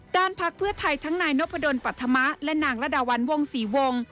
พักเพื่อไทยทั้งนายนพดลปัธมะและนางระดาวันวงศรีวงศ์